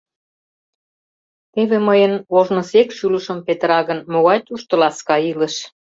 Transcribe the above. — Теве, мыйын ожнысек шӱлышым петыра гын, могай тушто ласка илыш?